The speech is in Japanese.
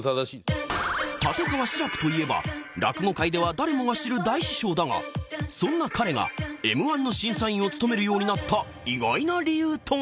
立川志らくといえば落語界では誰もが知る大師匠だがそんな彼が Ｍ−１ の審査員を務めるようになった意外な理由とは